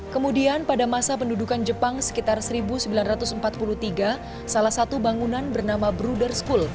kemudian pada masa pendudukan jepang sekitar seribu sembilan ratus empat puluh tiga salah satu bangunan bernama bruder school